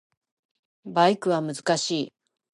バイクは難しい